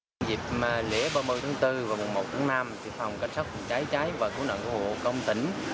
trong dịp lễ ba mươi bốn một năm phòng cảnh sát phòng trái trái và cứu nạn cứu hộ công tỉnh